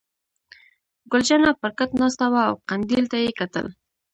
ګل جانه پر کټ ناسته وه او قندیل ته یې کتل.